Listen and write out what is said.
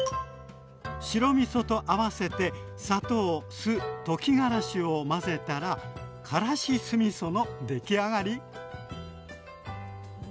白みそと合わせて砂糖酢溶きがらしを混ぜたらからし酢みそのできあがり。